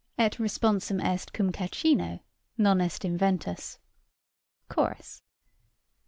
Et responsum est cum cachinno Non est inventus." CHORUS.